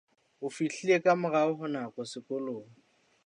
O fihlile ka morao ho nako sekolong.